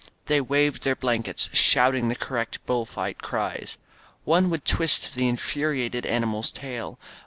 They waved their blankets, shouting the correct bull fight cries. One would twist the infuriated animal's tail.